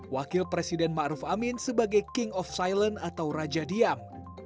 wakil presiden ma'ruf amin sebagai king of silent atau raja diam